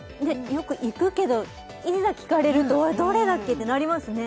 よく行くけどいざ聞かれるとどれだっけってなりますね